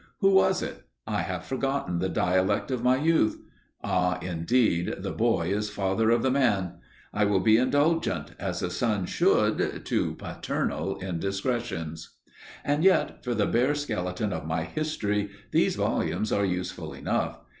Who was it? I have forgotten the dialect of my youth. Ah, indeed, the boy is father of the man! I will be indulgent, as a son should, to paternal indiscretions! And yet, for the bare skeleton of my history, these volumes are useful enough.